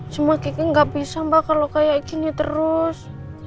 cuma kiki gak bisa mbak kalo kayak gini terus